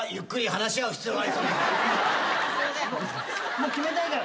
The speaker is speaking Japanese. もう決めたいから。